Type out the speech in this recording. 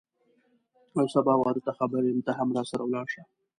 زه سبا واده ته خبر یم ته هم راسره ولاړ شه